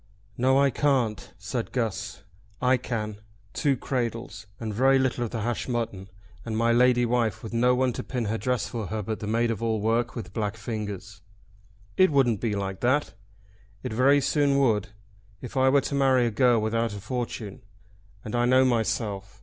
"No I can't," said Guss. "I can; two cradles, and very little of the hashed mutton; and my lady wife with no one to pin her dress for her but the maid of all work with black fingers." "It wouldn't be like that." "It very soon would, if I were to marry a girl without a fortune. And I know myself.